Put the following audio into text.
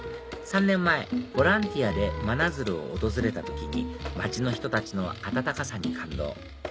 ３年前ボランティアで真鶴を訪れた時に町の人たちの温かさに感動